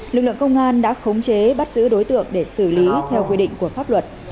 lực lượng công an đã khống chế bắt giữ đối tượng để xử lý theo quy định của pháp luật